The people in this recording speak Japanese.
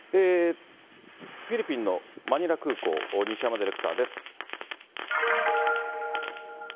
フィリピンのマニラ空港、西山ディレクターです。